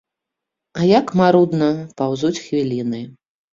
А як марудна паўзуць хвіліны.